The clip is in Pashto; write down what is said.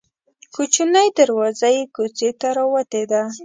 کوچنۍ دروازه یې کوڅې ته راوتې ده.